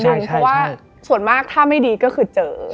เพราะว่าส่วนมากถ้าไม่ดีก็คือเจอ